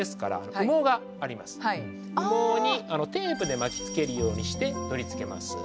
羽毛にテープで巻きつけるようにして取り付けます。